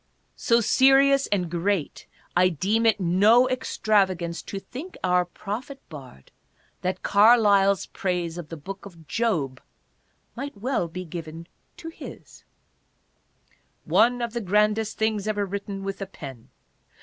So serious and great I deem it no extravagance to think our prophet bard, that Carlyle's praise of the Book of Job might well be given to his :" One of the grandest things ever written with a pen.